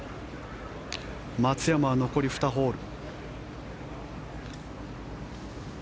松山は残り２ホール。